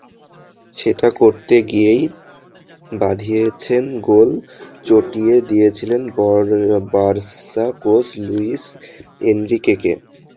সেটা করতে গিয়েই বাধিয়েছেন গোল, চটিয়ে দিয়েছেন বার্সা কোচ লুইস এনরিকেকে।